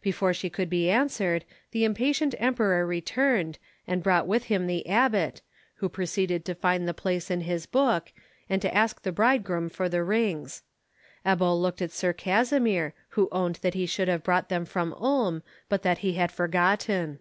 Before she could be answered, the impatient Emperor returned, and brought with him the abbot, who proceeded to find the place in his book, and to ask the bridegroom for the rings. Ebbo looked at Sir Kasimir, who owned that he should have brought them from Ulm, but that he had forgotten.